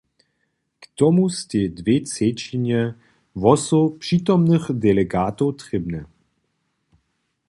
K tomu stej dwě třěćinje hłosow přitomnych delegatow trěbnej.